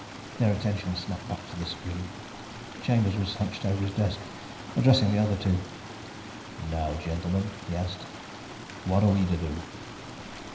Their attention snapped back to the screen. Chambers was hunched over his desk, addressing the other two. "Now, gentlemen," he asked, "what are we to do?"